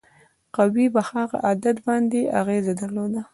قوې په هغه عدد باندې اغیزه درلوده.